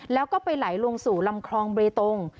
แล้วก็ไปไหลลงสู่ลำคลองเบตง